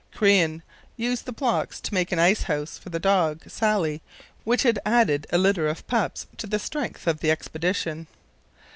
Crean used the blocks to make an ice house for the dog Sally, which had added a little litter of pups to the strength of the expedition.